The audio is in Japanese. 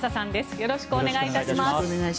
よろしくお願いします。